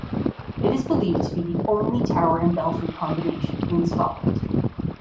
It is believed to be the only tower and belfry combination in Scotland.